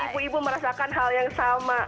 ibu ibu merasakan hal yang sama